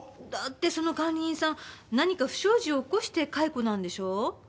だってその管理人さん何か不祥事を起こして解雇なんでしょ？